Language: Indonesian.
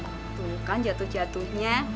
tuh kan jatuh jatuhnya